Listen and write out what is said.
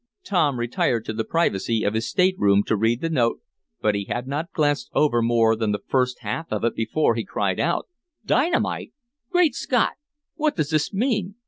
Tom retired to the privacy of his stateroom to read the note, but he had not glanced over more than the first half of it before he cried out: "Dynamite! Great Scott! What does this mean?